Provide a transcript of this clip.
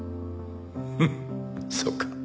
フッそうか。